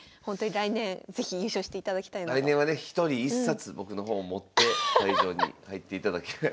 来年はね１人１冊僕の本を持って会場に入っていただきたい。